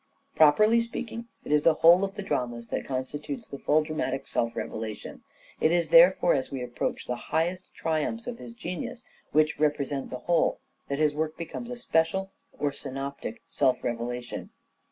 Properly speaking, it is the whole of the dramas that constitutes the full dramatic self revelation. It is, therefore, as we approach the highest triumphs of 460 "SHAKESPEARE" IDENTIFIED The world's his genius, which represent the whole, that his work becomes a special or synoptic self revelation.